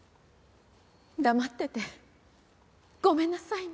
黙っててごめんなさいね。